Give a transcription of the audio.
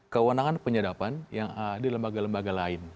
kewenangan penyadapan yang ada di lembaga lembaga lain